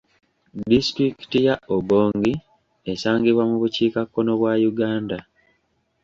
Disitulikiti ya Obongi esangibwa mu bukiikakkono bwa Uganda